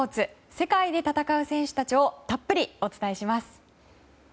世界で戦う選手たちをたっぷり、お伝えします。